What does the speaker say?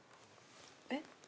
えっ？